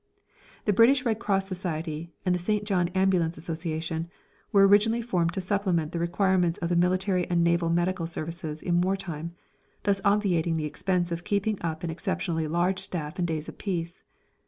The British Red Cross Society and the St. John Ambulance Association were originally formed to supplement the requirements of the military and naval medical services in war time, thus obviating the expense of keeping up an exceptionally large staff in days of peace.